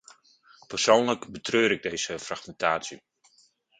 Persoonlijk betreur ik deze fragmentatie.